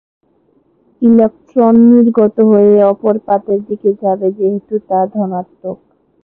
Electron নির্গত হয়ে অপর পাতের দিকে যাবে যেহেতু তা ধনাত্মক।